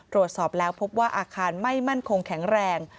ตรวจสอบแล้วพบว่าอาคารไม่มั่นคงแข็งแรง